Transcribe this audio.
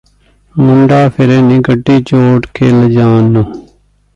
ਮੁੰਡਾ ਫਿਰੇ ਨੀ ਗੱਡੀ ਜੋੜ ਕੇ ਲਿਜਾਣ ਨੂੰ